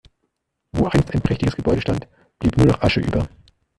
Wo einst ein prächtiges Gebäude stand, blieb nur noch Asche über.